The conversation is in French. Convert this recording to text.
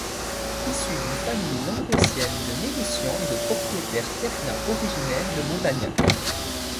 Issue d'une famille languedocienne de négociants et de propriétaires terriens originaires de Montagnac.